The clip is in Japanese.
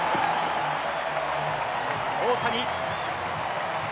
大谷。